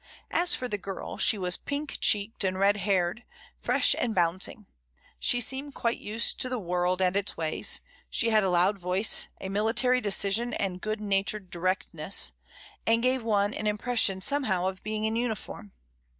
As for the girl, she was pink cheeked and red haired, fresh and bouncing; she seemed quite used to the world and its ways; she had a loud voice, a military decision and good natured directness, and gave one an im pression somehow of being in uniform.